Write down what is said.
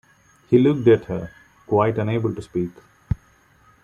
He looked at her, quite unable to speak.